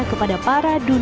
kepada para penyelidikan